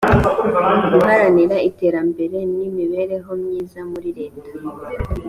guharanira iterambere n imibereho myiza muri leta